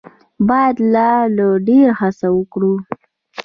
باید لا ډېره هڅه وکړي.